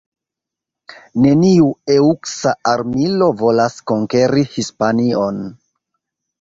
Neniu eŭska armilo volas konkeri Hispanion".